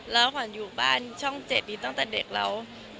แล้วขวัญอยู่บ้านช่อง๗นี้ตั้งแต่เด็กแล้ว